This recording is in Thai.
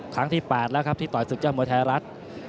ครั้งที่แปดแล้วที่ต่อยสุดยอดมวย์ไทยรัฐ